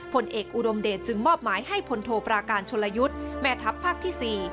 ผลเอกอุดมเดชจึงมอบหมายให้พลโทปราการชนลยุทธ์แม่ทัพภาคที่๔